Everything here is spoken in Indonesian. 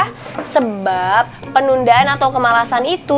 kebendaan atau kemalasan itu